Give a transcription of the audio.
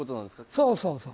そうそうそう。